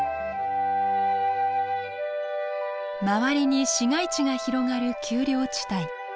周りに市街地が広がる丘陵地帯。